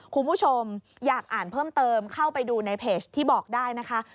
คุณผู้ชมอยากอ่านเพิ่มเติมเข้าไปดูในเพจที่บอกได้นะคะ